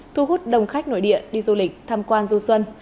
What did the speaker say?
thu hút đồng khách nổi địa đi du lịch thăm quan du xuân